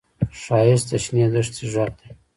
ښایست د شنې دښتې غږ دی